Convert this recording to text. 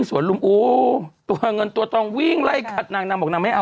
เศร้าเงินตัวทองมันมีพิษนะเถอะ